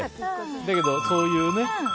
だけど、そういうね。